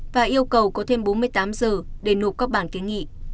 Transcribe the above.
và yêu cầu có thêm bốn mươi tám giờ để nộp các bản kiến nghị